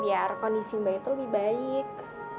biar kondisi mbak itu lebih baik